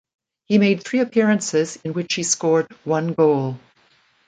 He made three appearances in which he scored one goal.